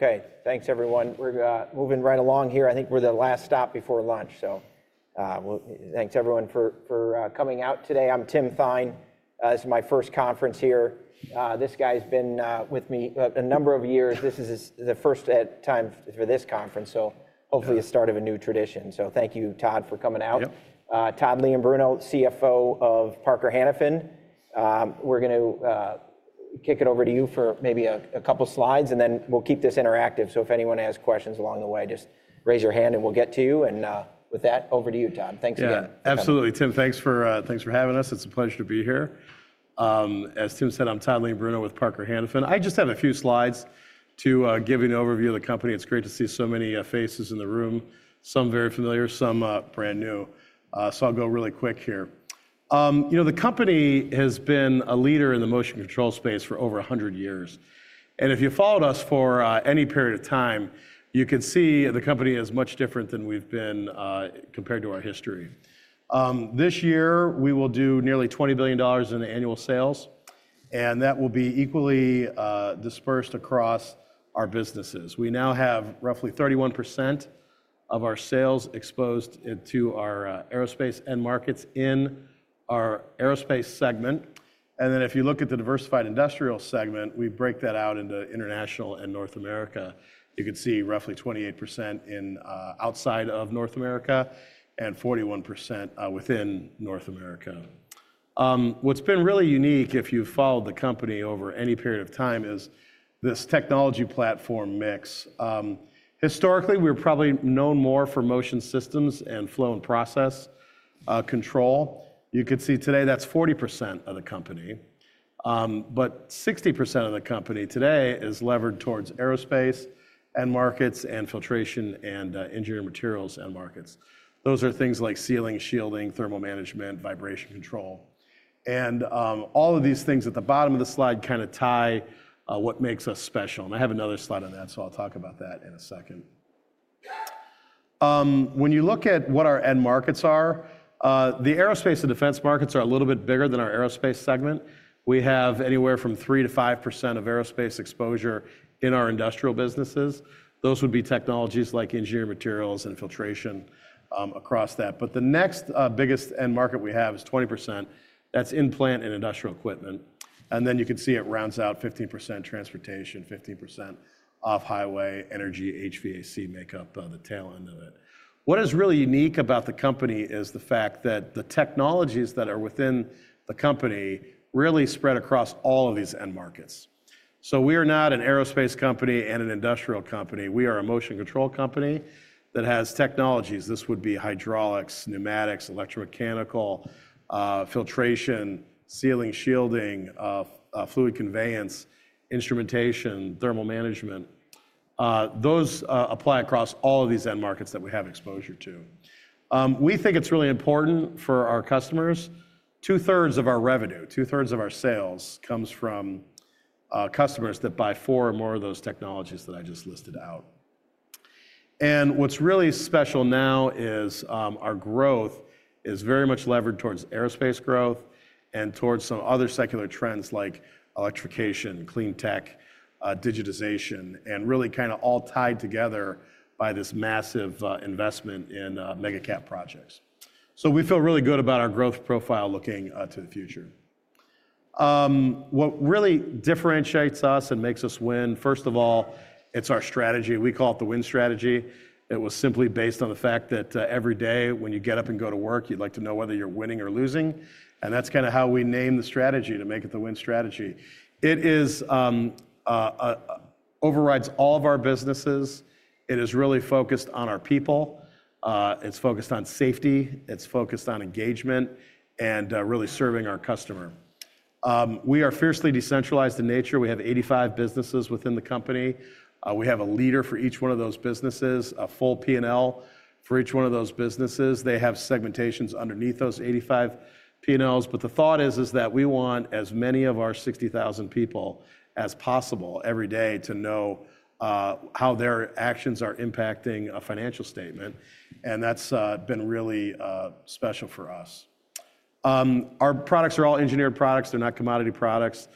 Okay, thanks everyone. We're moving right along here. I think we're the last stop before lunch, so thanks everyone for coming out today. I'm Tim Fine, this is my first conference here. This guy has been with me a number of years. This is the first time for this conference, so hopefully a start of a new tradition. So thank you, Todd, for coming out. Todd Leombruno, CFO of Parker Hannifin. We're going to kick it over to you for maybe a couple slides, and then we'll keep this interactive. So if anyone has questions along the way, just raise your hand and we'll get to you. And with that, over to you, Todd. Thanks again. Yeah, absolutely. Tim, thanks for having us. It's a pleasure to be here. As Tim said, I'm Todd Leombruno with Parker Hannifin. I just have a few slides to give you an overview of the company. It's great to see so many faces in the room, some very familiar, some brand new, so I'll go really quick here. You know, the company has been a leader in the motion control space for over a hundred years, and if you followed us for any period of time, you could see the company is much different than we've been compared to our history. This year, we will do nearly $20 billion in annual sales, and that will be equally dispersed across our businesses. We now have roughly 31% of our sales exposed to our aerospace end markets in our aerospace segment. And then if you look at the diversified industrial segment, we break that out into international and North America. You could see roughly 28% outside of North America and 41% within North America. What's been really unique, if you've followed the company over any period of time, is this technology platform mix. Historically, we were probably known more for motion systems and flow and process control. You could see today that's 40% of the company. But 60% of the company today is levered towards aerospace end markets and filtration and engineering materials end markets. Those are things like sealing, shielding, thermal management, vibration control. And all of these things at the bottom of the slide kind of tie what makes us special. And I have another slide on that, so I'll talk about that in a second. When you look at what our end markets are, the aerospace and defense markets are a little bit bigger than our aerospace segment. We have anywhere from 3% to 5% of aerospace exposure in our industrial businesses. Those would be technologies like engineering materials and filtration across that. But the next biggest end market we have is 20%. That's in plant and industrial equipment. And then you can see it rounds out 15% transportation, 15% off-highway, energy, HVAC make up the tail end of it. What is really unique about the company is the fact that the technologies that are within the company really spread across all of these end markets. So we are not an aerospace company and an industrial company. We are a motion control company that has technologies. This would be hydraulics, pneumatics, electromechanical, filtration, sealing, shielding, fluid conveyance, instrumentation, thermal management. Those apply across all of these end markets that we have exposure to. We think it's really important for our customers. Two-thirds of our revenue, two-thirds of our sales comes from customers that buy four or more of those technologies that I just listed out, and what's really special now is our growth is very much levered towards aerospace growth and towards some other secular trends like electrification, clean tech, digitization, and really kind of all tied together by this massive investment in mega-capex projects, so we feel really good about our growth profile looking to the future. What really differentiates us and makes us win, first of all, it's our strategy. We call it the Win Strategy. It was simply based on the fact that every day when you get up and go to work, you'd like to know whether you're winning or losing. And that's kind of how we name the strategy to make it the Win Strategy. It overrides all of our businesses. It is really focused on our people. It's focused on safety. It's focused on engagement and really serving our customer. We are fiercely decentralized in nature. We have 85 businesses within the company. We have a leader for each one of those businesses, a full P&L for each one of those businesses. They have segmentations underneath those 85 P&Ls. But the thought is that we want as many of our 60,000 people as possible every day to know how their actions are impacting a financial statement. And that's been really special for us. Our products are all engineered products. They're not commodity products.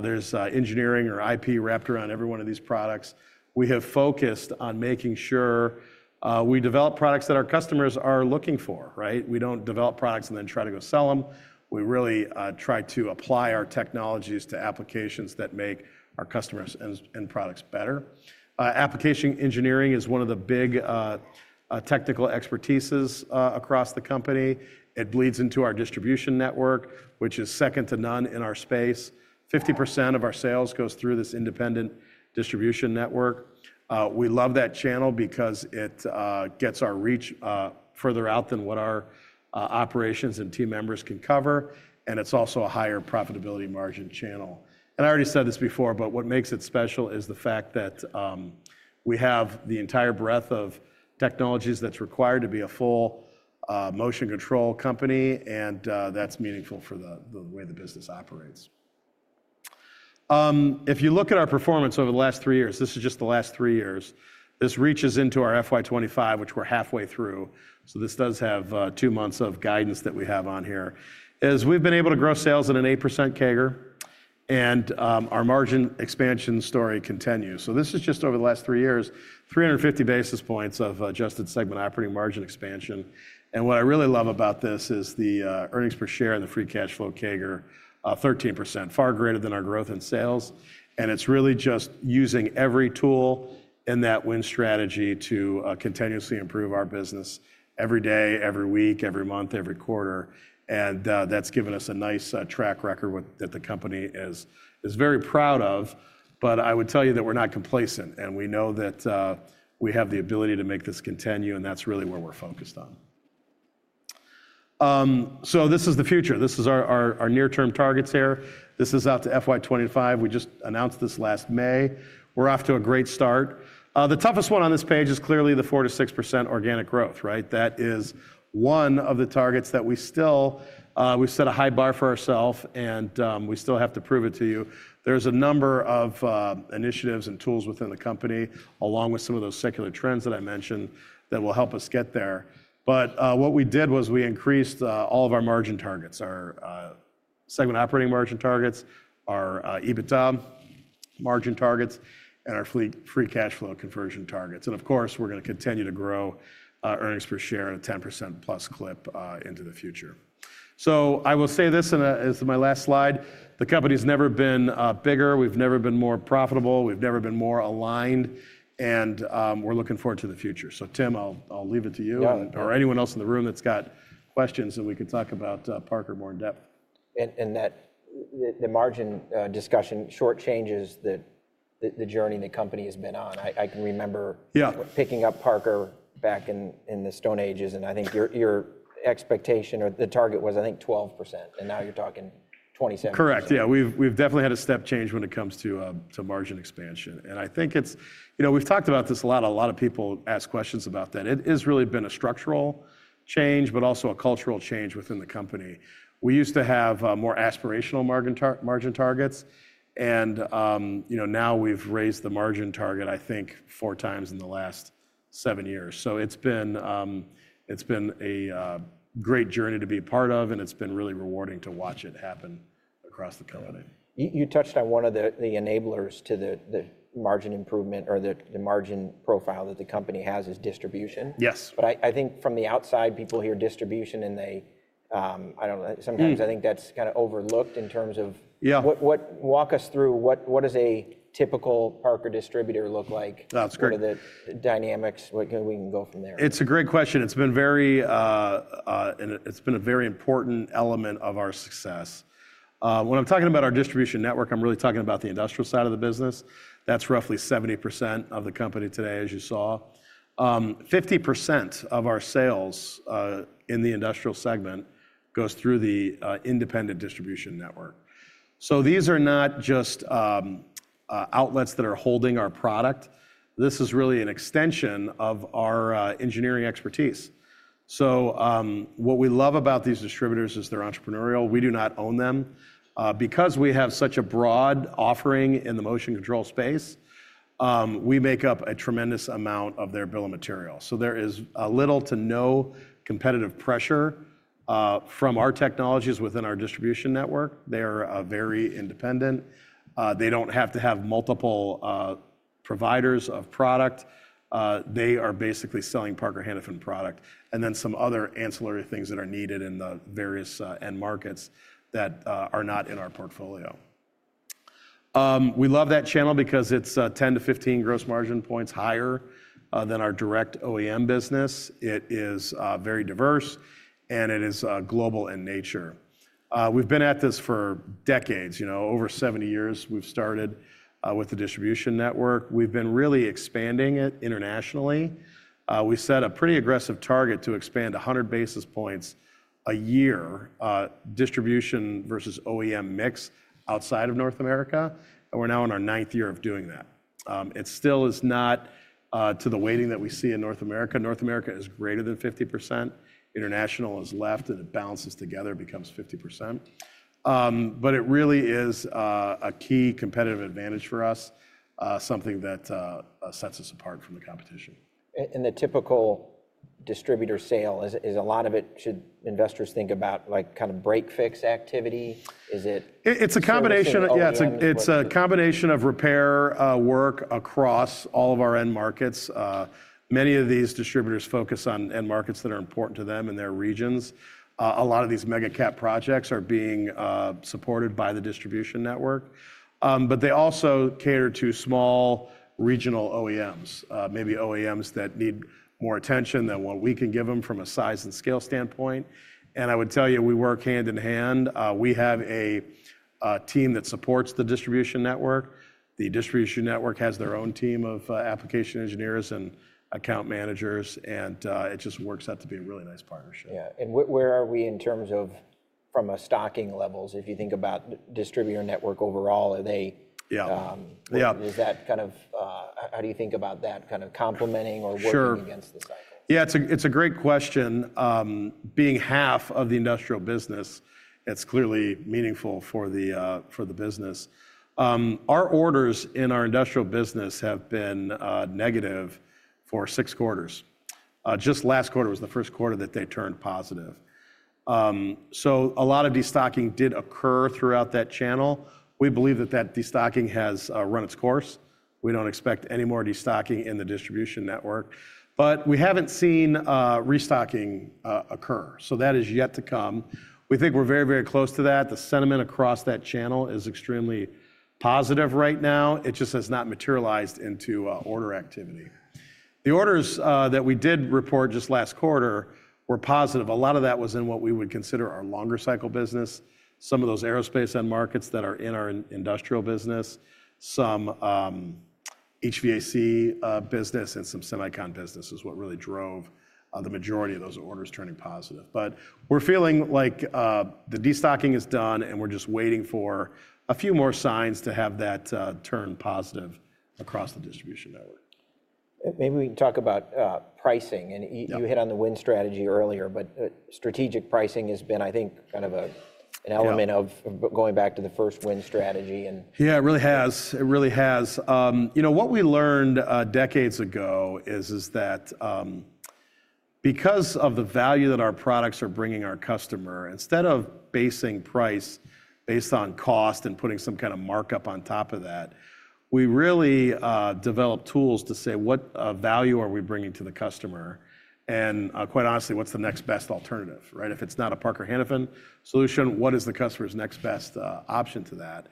There's engineering or IP wrapped around every one of these products. We have focused on making sure we develop products that our customers are looking for, right? We don't develop products and then try to go sell them. We really try to apply our technologies to applications that make our customers' end products better. Application engineering is one of the big technical expertises across the company. It bleeds into our distribution network, which is second to none in our space. 50% of our sales goes through this independent distribution network. We love that channel because it gets our reach further out than what our operations and team members can cover, and it's also a higher profitability margin channel, and I already said this before, but what makes it special is the fact that we have the entire breadth of technologies that's required to be a full motion control company, and that's meaningful for the way the business operates. If you look at our performance over the last three years, this is just the last three years. This reaches into our FY25, which we're halfway through. So this does have two months of guidance that we have on here. We've been able to grow sales at an 8% CAGR, and our margin expansion story continues. So this is just over the last three years, 350 basis points of adjusted segment operating margin expansion. And what I really love about this is the earnings per share and the free cash flow CAGR, 13%, far greater than our growth in sales. And it's really just using every tool in that Win Strategy to continuously improve our business every day, every week, every month, every quarter. And that's given us a nice track record that the company is very proud of. But I would tell you that we're not complacent, and we know that we have the ability to make this continue, and that's really where we're focused on. So this is the future. This is our near-term targets here. This is out to FY25. We just announced this last May. We're off to a great start. The toughest one on this page is clearly the 4% to 6% organic growth, right? That is one of the targets that we still, we've set a high bar for ourselves, and we still have to prove it to you. There's a number of initiatives and tools within the company, along with some of those secular trends that I mentioned, that will help us get there. But what we did was we increased all of our margin targets, our segment operating margin targets, our EBITDA margin targets, and our free cash flow conversion targets. Of course, we're going to continue to grow earnings per share at a 10% plus clip into the future. I will say this as my last slide. The company's never been bigger. We've never been more profitable. We've never been more aligned. We're looking forward to the future. Tim, I'll leave it to you or anyone else in the room that's got questions, and we could talk about Parker more in depth. That the margin discussion shortchanges the journey the company has been on. I can remember Yeah. Picking up Parker back in the Stone Ages, and I think your expectation or the target was, I think, 12%, and now you're talking 27%. Correct. Yeah, we've definitely had a step change when it comes to margin expansion, and I think it's, you know, we've talked about this a lot. A lot of people ask questions about that. It has really been a structural change, but also a cultural change within the company. We used to have more aspirational margin targets, and now we've raised the margin target, I think, four times in the last seven years, so it's been a great journey to be a part of, and it's been really rewarding to watch it happen across the company. You touched on one of the enablers to the margin improvement or the margin profile that the company has is distribution. Yes. But I think from the outside, people hear distribution and they, I don't know, sometimes I think that's kind of overlooked in terms of, walk us through what does a typical Parker distributor look like? That's great. What are the dynamics? We can go from there. It's a great question. It's been a very important element of our success. When I'm talking about our distribution network, I'm really talking about the industrial side of the business. That's roughly 70% of the company today, as you saw. 50% of our sales in the industrial segment goes through the independent distribution network. So these are not just outlets that are holding our product. This is really an extension of our engineering expertise. So what we love about these distributors is they're entrepreneurial. We do not own them. Because we have such a broad offering in the motion control space, we make up a tremendous amount of their bill of material. So there is little to no competitive pressure from our technologies within our distribution network. They are very independent. They don't have to have multiple providers of product. They are basically selling Parker Hannifin product and then some other ancillary things that are needed in the various end markets that are not in our portfolio. We love that channel because it's 10-15 gross margin points higher than our direct OEM business. It is very diverse, and it is global in nature. We've been at this for decades, you know, over 70 years we've started with the distribution network. We've been really expanding it internationally. We set a pretty aggressive target to expand 100 basis points a year, distribution versus OEM mix outside of North America, and we're now in our ninth year of doing that. It still is not to the weighting that we see in North America. North America is greater than 50%. International is left, and it bounces together, becomes 50%. But it really is a key competitive advantage for us, something that sets us apart from the competition. And the typical distributor sale, is a lot of it should investors think about like kind of break-fix activity? Is it? It's a combination, yeah, it's a combination of repair work across all of our end markets. Many of these distributors focus on end markets that are important to them in their regions. A lot of these mega-capex projects are being supported by the distribution network. But they also cater to small regional OEMs, maybe OEMs that need more attention than what we can give them from a size and scale standpoint. And I would tell you, we work hand in hand. We have a team that supports the distribution network. The distribution network has their own team of application engineers and account managers, and it just works out to be a really nice partnership. Yeah. Where are we in terms of from a stocking levels, if you think about distributor network overall, are they, is that kind of, how do you think about that kind of complementing or working against the cycle? Sure. Yeah, it's a great question. Being half of the industrial business, it's clearly meaningful for the business. Our orders in our industrial business have been negative for six quarters. Just last quarter was the first quarter that they turned positive. So a lot of destocking did occur throughout that channel. We believe that that destocking has run its course. We don't expect any more destocking in the distribution network. But we haven't seen restocking occur. So that is yet to come. We think we're very, very close to that. The sentiment across that channel is extremely positive right now. It just has not materialized into order activity. The orders that we did report just last quarter were positive. A lot of that was in what we would consider our longer cycle business, some of those aerospace end markets that are in our industrial business, some HVAC business, and some semiconductor business is what really drove the majority of those orders turning positive. But we're feeling like the destocking is done, and we're just waiting for a few more signs to have that turn positive across the distribution network. Maybe we can talk about pricing, and you hit on the Win Strategy earlier, but strategic pricing has been, I think, kind of an element of going back to the first Win Strategy. Yeah, it really has. It really has. You know, what we learned decades ago is that because of the value that our products are bringing our customer, instead of basing price based on cost and putting some kind of markup on top of that, we really develop tools to say, what value are we bringing to the customer? And quite honestly, what's the next best alternative, right? If it's not a Parker Hannifin solution, what is the customer's next best option to that?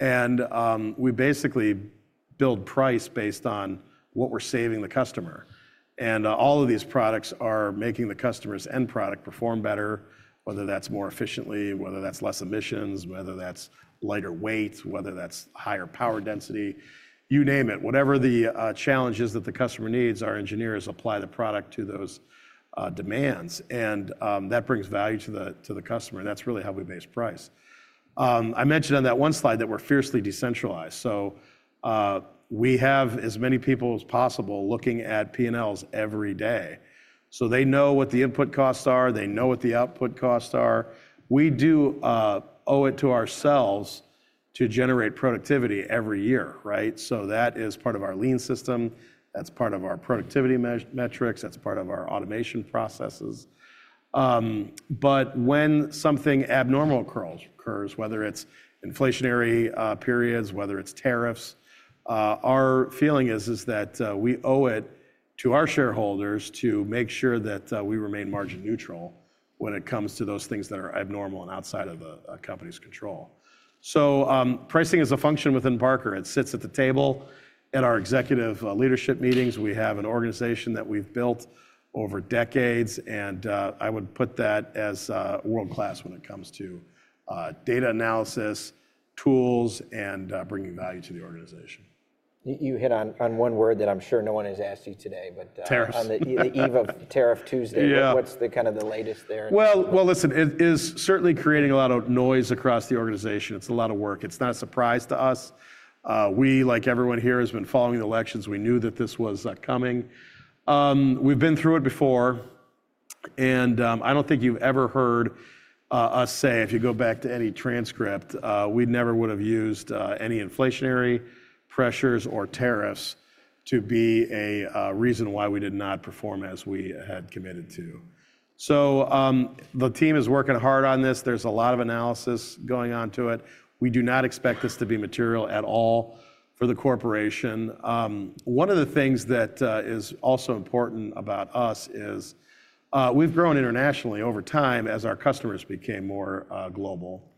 And we basically build price based on what we're saving the customer. And all of these products are making the customer's end product perform better, whether that's more efficiently, whether that's less emissions, whether that's lighter weight, whether that's higher power density, you name it. Whatever the challenge is that the customer needs, our engineers apply the product to those demands. And that brings value to the customer. And that's really how we base price. I mentioned on that one slide that we're fiercely decentralized. So we have as many people as possible looking at P&Ls every day. So they know what the input costs are. They know what the output costs are. We do owe it to ourselves to generate productivity every year, right? So that is part of our lean system. That's part of our productivity metrics. That's part of our automation processes. But when something abnormal occurs, whether it's inflationary periods, whether it's tariffs, our feeling is that we owe it to our shareholders to make sure that we remain margin neutral when it comes to those things that are abnormal and outside of the company's control. So pricing is a function within Parker. It sits at the table at our executive leadership meetings. We have an organization that we've built over decades, and I would put that as world-class when it comes to data analysis, tools, and bringing value to the organization. You hit on one word that I'm sure no one has asked you today, but. Tariffs. On the eve of Tariff Tuesday, what's the latest there? Well, listen, it is certainly creating a lot of noise across the organization. It's a lot of work. It's not a surprise to us. We, like everyone here, has been following the elections. We knew that this was coming. We've been through it before. And I don't think you've ever heard us say, if you go back to any transcript, we never would have used any inflationary pressures or tariffs to be a reason why we did not perform as we had committed to. So the team is working hard on this. There's a lot of analysis going on to it. We do not expect this to be material at all for the corporation. One of the things that is also important about us is we've grown internationally over time as our customers became more global.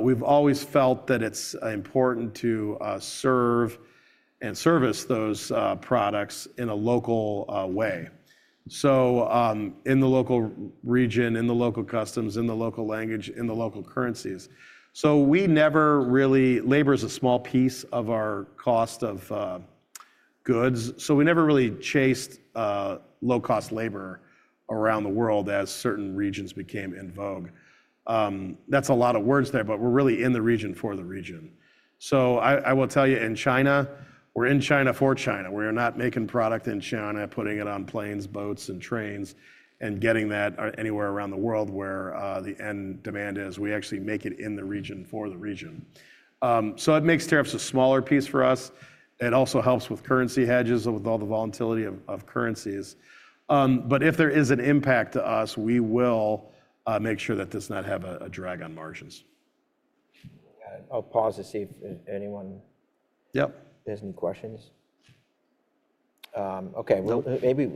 We've always felt that it's important to serve and service those products in a local way. So in the local region, in the local customs, in the local language, in the local currencies. So we never really, labor is a small piece of our cost of goods. So we never really chased low-cost labor around the world as certain regions became in vogue. That's a lot of words there, but we're really in the region for the region. So I will tell you, in China, we're in China for China. We're not making product in China, putting it on planes, boats, and trains, and getting that anywhere around the world where the end demand is. We actually make it in the region for the region. So it makes tariffs a smaller piece for us. It also helps with currency hedges with all the volatility of currencies. But if there is an impact to us, we will make sure that does not have a drag on margins. I'll pause to see if anyone has any questions. Okay, maybe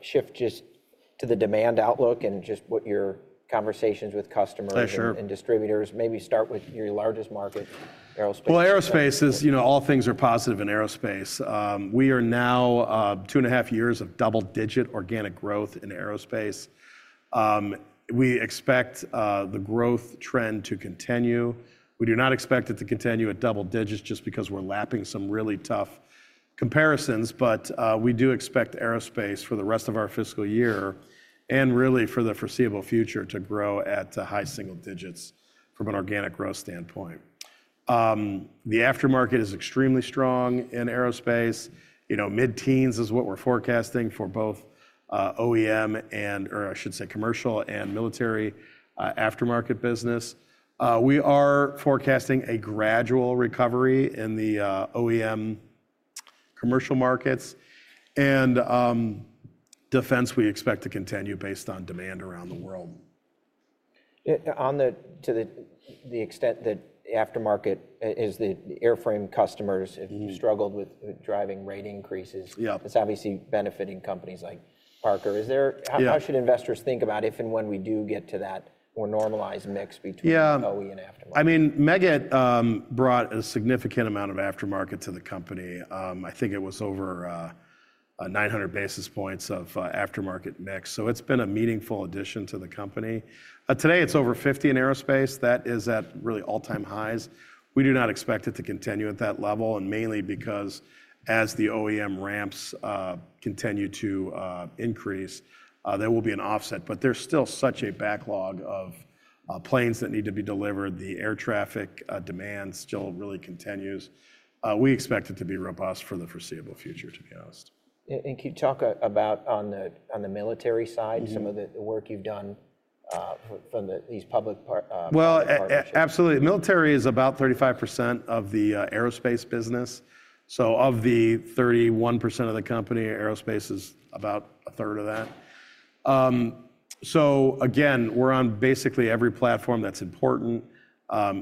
shift just to the demand outlook and just what your conversations with customers and distributors. Maybe start with your largest market, aerospace. Aerospace is, you know, all things are positive in aerospace. We are now two and a half years of double-digit organic growth in aerospace. We expect the growth trend to continue. We do not expect it to continue at double digits just because we're lapping some really tough comparisons, but we do expect aerospace for the rest of our fiscal year and really for the foreseeable future to grow at high single digits from an organic growth standpoint. The aftermarket is extremely strong in aerospace. You know, mid-teens is what we're forecasting for both OEM and, or I should say, commercial and military aftermarket business. We are forecasting a gradual recovery in the OEM commercial markets and defense. We expect to continue based on demand around the world. To the extent that aftermarket is the airframe customers, if you've struggled with driving rate increases, it's obviously benefiting companies like Parker. How should investors think about if and when we do get to that more normalized mix between OEM and aftermarket? Yeah, I mean, Meggitt brought a significant amount of aftermarket to the company. I think it was over 900 basis points of aftermarket mix. So it's been a meaningful addition to the company. Today, it's over 50 in aerospace. That is at really all-time highs. We do not expect it to continue at that level, and mainly because as the OEM ramps continue to increase, there will be an offset. But there's still such a backlog of planes that need to be delivered. The air traffic demand still really continues. We expect it to be robust for the foreseeable future, to be honest. Can you talk about, on the military side, some of the work you've done from these public? Well, absolutely. Military is about 35% of the aerospace business. So of the 31% of the company, aerospace is about a third of that. So again, we're on basically every platform that's important.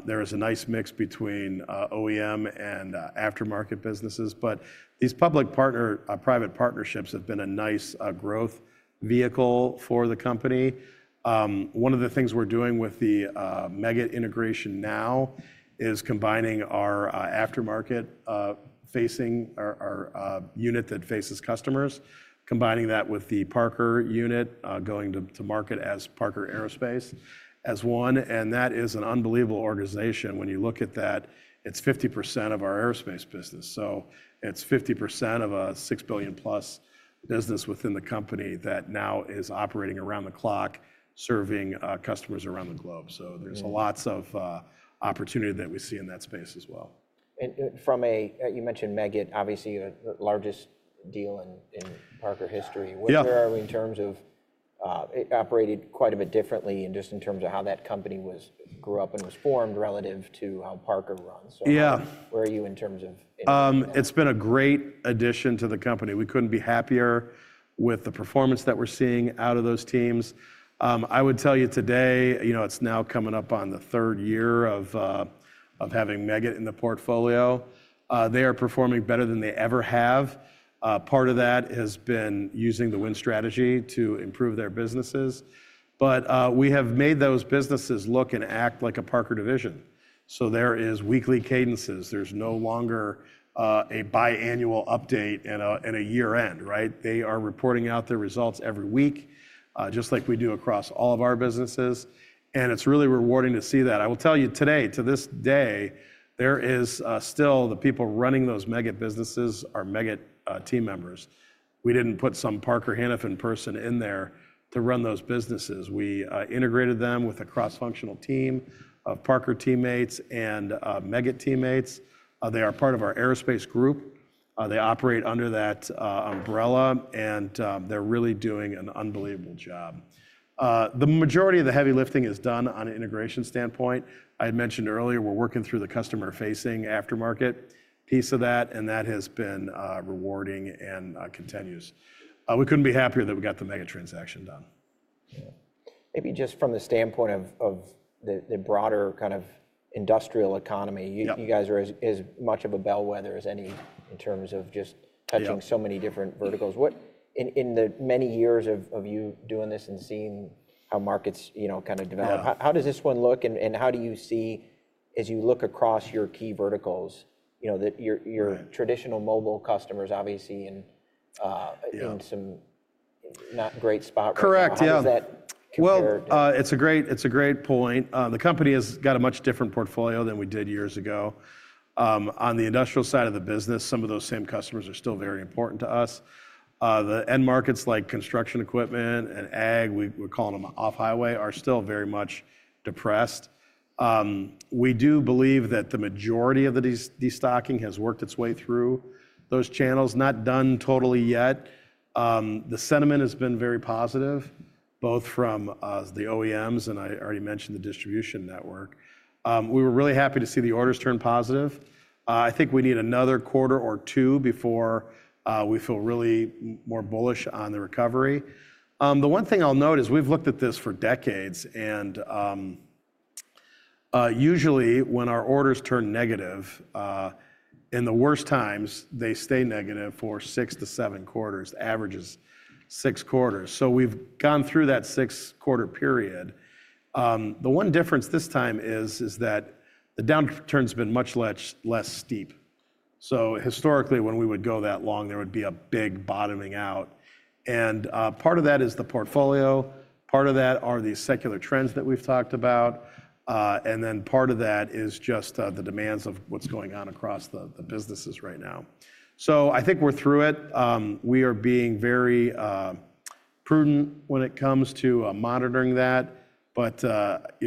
There is a nice mix between OEM and aftermarket businesses. But these public-private partnerships have been a nice growth vehicle for the company. One of the things we're doing with the Meggitt integration now is combining our aftermarket facing our unit that faces customers, combining that with the Parker unit going to market as Parker Aerospace as one. And that is an unbelievable organization. When you look at that, it's 50% of our aerospace business. So it's 50% of a $6 billion-plus business within the company that now is operating around the clock, serving customers around the globe. So there's lots of opportunity that we see in that space as well. From a, you mentioned Meggitt, obviously the largest deal in Parker history. Where are we in terms of it operated quite a bit differently and just in terms of how that company grew up and was formed relative to how Parker runs? Yeah. Where are you in terms of? It's been a great addition to the company. We couldn't be happier with the performance that we're seeing out of those teams. I would tell you today, you know, it's now coming up on the third year of having Meggitt in the portfolio. They are performing better than they ever have. Part of that has been using the Win Strategy to improve their businesses. But we have made those businesses look and act like a Parker division. So there are weekly cadences. There's no longer a biannual update and a year-end, right? They are reporting out their results every week, just like we do across all of our businesses. And it's really rewarding to see that. I will tell you today, to this day, there is still the people running those Meggitt businesses are Meggitt team members. We didn't put some Parker Hannifin person in there to run those businesses. We integrated them with a cross-functional team of Parker teammates and Meggitt teammates. They are part of our aerospace group. They operate under that umbrella, and they're really doing an unbelievable job. The majority of the heavy lifting is done on an integration standpoint. I had mentioned earlier, we're working through the customer-facing aftermarket piece of that, and that has been rewarding and continuous. We couldn't be happier that we got the Meggitt transaction done. Maybe just from the standpoint of the broader kind of industrial economy, you guys are as much of a bellwether as any in terms of just touching so many different verticals. In the many years of you doing this and seeing how markets kind of develop, how does this one look? And how do you see, as you look across your key verticals, you know, that your traditional mobile customers obviously in some not great spot? Correct, yeah. Well, it's a great point. The company has got a much different portfolio than we did years ago. On the industrial side of the business, some of those same customers are still very important to us. The end markets like construction equipment and ag, we're calling them off-highway, are still very much depressed. We do believe that the majority of the destocking has worked its way through those channels, not done totally yet. The sentiment has been very positive, both from the OEMs and I already mentioned the distribution network. We were really happy to see the orders turn positive. I think we need another quarter or two before we feel really more bullish on the recovery. The one thing I'll note is we've looked at this for decades. Usually when our orders turn negative, in the worst times, they stay negative for six to seven quarters, averages six quarters. So we've gone through that six-quarter period. The one difference this time is that the downturn has been much less steep. So historically, when we would go that long, there would be a big bottoming out. And part of that is the portfolio. Part of that are the secular trends that we've talked about. And then part of that is just the demands of what's going on across the businesses right now. So I think we're through it. We are being very prudent when it comes to monitoring that. But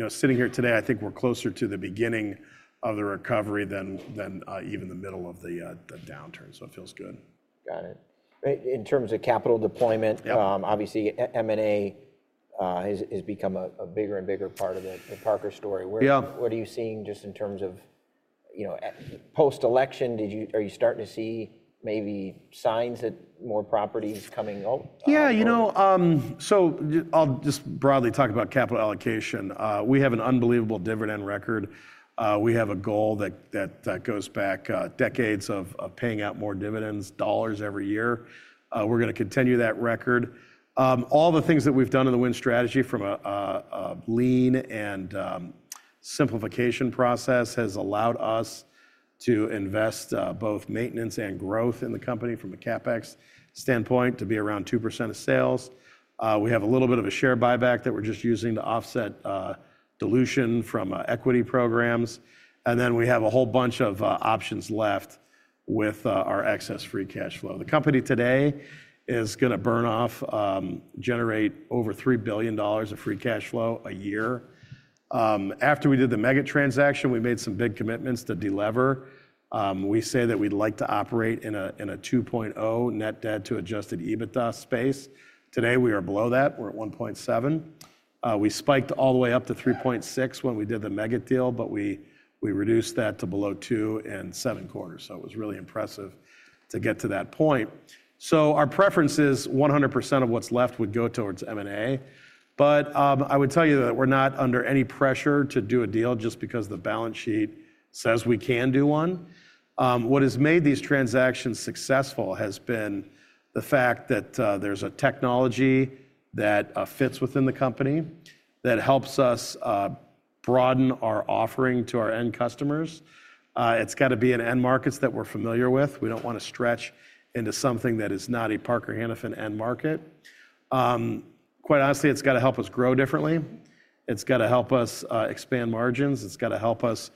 sitting here today, I think we're closer to the beginning of the recovery than even the middle of the downturn. So it feels good. Got it. In terms of capital deployment, obviously M&A has become a bigger and bigger part of the Parker story. What are you seeing just in terms of post-election? Are you starting to see maybe signs that more properties coming up? Yeah, you know, so I'll just broadly talk about capital allocation. We have an unbelievable dividend record. We have a goal that goes back decades of paying out more dividends, dollars every year. We're going to continue that record. All the things that we've done in the Win Strategy from a lean and simplification process has allowed us to invest both maintenance and growth in the company from a CapEx standpoint to be around 2% of sales. We have a little bit of a share buyback that we're just using to offset dilution from equity programs. And then we have a whole bunch of options left with our excess free cash flow. The company today is going to burn off, generate over $3 billion of free cash flow a year. After we did the Meggitt transaction, we made some big commitments to deliver. We say that we'd like to operate in a 2.0 net debt to adjusted EBITDA space. Today, we are below that. We're at 1.7. We spiked all the way up to 3.6 when we did the Meggitt deal, but we reduced that to below 2 in seven quarters. So it was really impressive to get to that point. Our preference is 100% of what's left would go towards M&A. But I would tell you that we're not under any pressure to do a deal just because the balance sheet says we can do one. What has made these transactions successful has been the fact that there's a technology that fits within the company that helps us broaden our offering to our end customers. It's got to be in end markets that we're familiar with. We don't want to stretch into something that is not a Parker Hannifin end market. Quite honestly, it's got to help us grow differently. It's got to help us expand margins. It's got to help us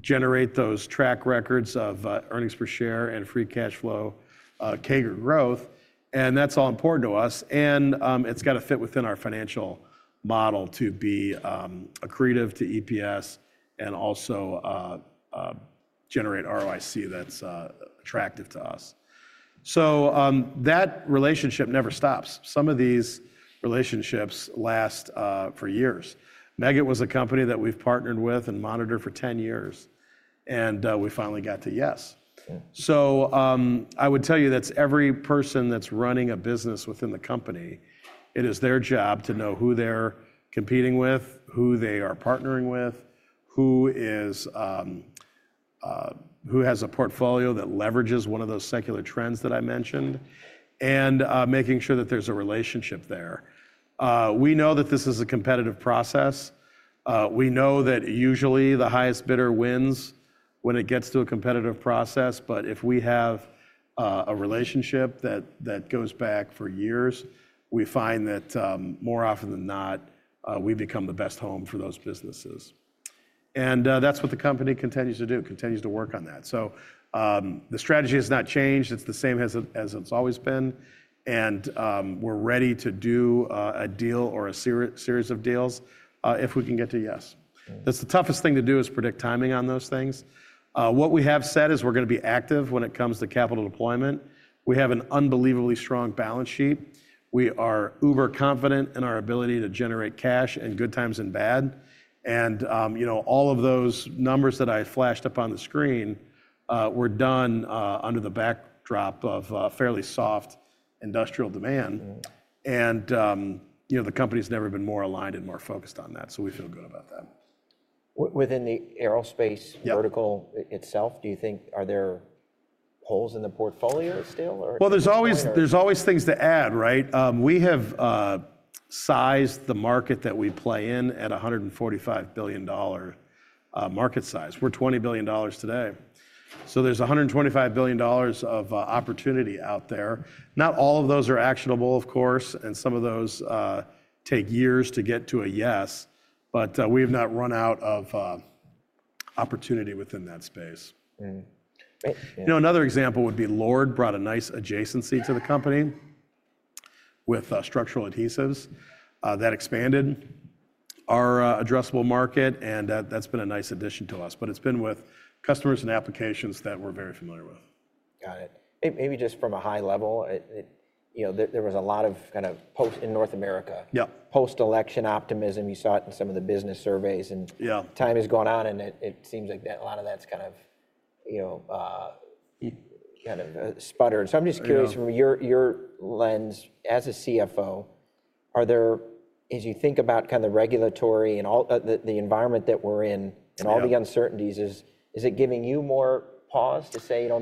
generate those track records of earnings per share and free cash flow, CAGR growth. And that's all important to us. And it's got to fit within our financial model to be accretive to EPS and also generate ROIC that's attractive to us. So that relationship never stops. Some of these relationships last for years. Meggitt was a company that we've partnered with and monitored for 10 years. And we finally got to yes. So I would tell you that's every person that's running a business within the company, it is their job to know who they're competing with, who they are partnering with, who has a portfolio that leverages one of those secular trends that I mentioned, and making sure that there's a relationship there. We know that this is a competitive process. We know that usually the highest bidder wins when it gets to a competitive process. But if we have a relationship that goes back for years, we find that more often than not, we become the best home for those businesses. And that's what the company continues to do, continues to work on that. So the strategy has not changed. It's the same as it's always been. And we're ready to do a deal or a series of deals if we can get to yes. That's the toughest thing to do is predict timing on those things. What we have said is we're going to be active when it comes to capital deployment. We have an unbelievably strong balance sheet. We are uber confident in our ability to generate cash in good times and bad. All of those numbers that I flashed up on the screen were done under the backdrop of fairly soft industrial demand. The company's never been more aligned and more focused on that. We feel good about that. Within the aerospace vertical itself, do you think are there holes in the portfolio still? There's always things to add, right? We have sized the market that we play in at $145 billion market size. We're $20 billion today. So there's $125 billion of opportunity out there. Not all of those are actionable, of course, and some of those take years to get to a yes. But we have not run out of opportunity within that space. Another example would be Lord brought a nice adjacency to the company with structural adhesives that expanded our addressable market. And that's been a nice addition to us. But it's been with customers and applications that we're very familiar with. Got it. Maybe just from a high level, there was a lot of kind of post-election optimism in North America. You saw it in some of the business surveys, and time has gone on, and it seems like a lot of that's kind of sputtered. So I'm just curious from your lens as a CFO, as you think about kind of the regulatory and the environment that we're in and all the uncertainties, is it giving you more pause to say, you know,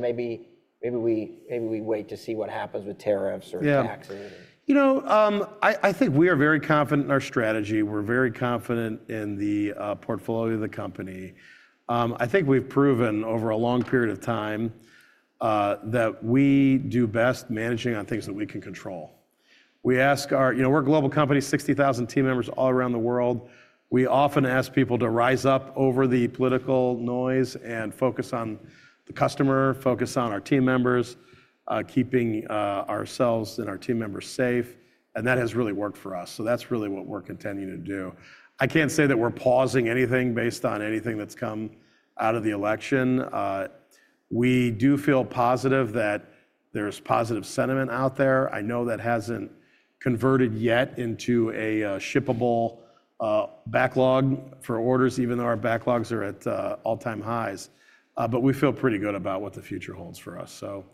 maybe we wait to see what happens with tariffs or taxes? You know, I think we are very confident in our strategy. We're very confident in the portfolio of the company. I think we've proven over a long period of time that we do best managing on things that we can control. We ask our, you know, we're a global company, 60,000 team members all around the world. We often ask people to rise up over the political noise and focus on the customer, focus on our team members, keeping ourselves and our team members safe. And that has really worked for us. So that's really what we're continuing to do. I can't say that we're pausing anything based on anything that's come out of the election. We do feel positive that there's positive sentiment out there. I know that hasn't converted yet into a shippable backlog for orders, even though our backlogs are at all-time highs. But we feel pretty good about what the future holds for us. So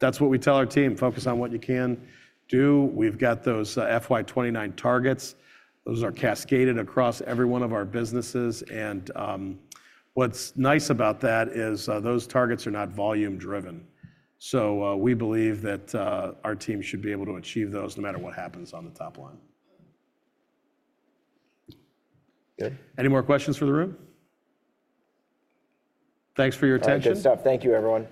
that's what we tell our team, focus on what you can do. We've got those FY29 targets. Those are cascaded across every one of our businesses. And what's nice about that is those targets are not volume-driven. So we believe that our team should be able to achieve those no matter what happens on the top line. Any more questions for the room? Thanks for your attention. Great stuff. Thank you, everyone.